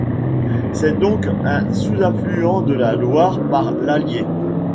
C'est donc un sous-affluent de la Loire par l'Allier.